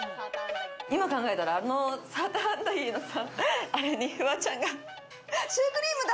今、考えたら、あのサーターアンダギーの、あれにフワちゃんが「シュークリームだ！」